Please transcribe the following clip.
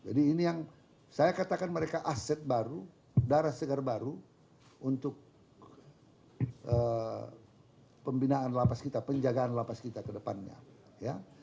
jadi ini yang saya katakan mereka aset baru darah segar baru untuk pembinaan lapas kita penjagaan lapas kita kedepannya ya